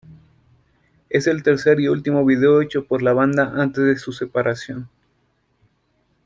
Es el tercer y último video hecho por la banda antes de su separación.